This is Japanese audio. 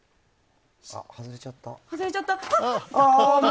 外れちゃった！